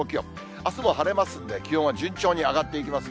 あすも晴れますので、気温は順調に上がっていきますね。